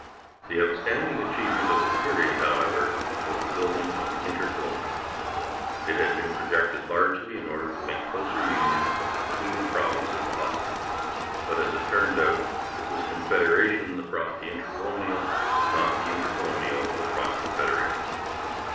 The outstanding achievement of the period, however, was the building of the Intercolonial. It had been projected largely in order to make closer union between the provinces possible, but, as it turned out, it was Confederation that brought the Intercolonial, not the Intercolonial that brought Confederation.